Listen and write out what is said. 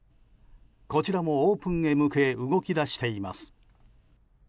こちらもオープンへ向け動き出しています。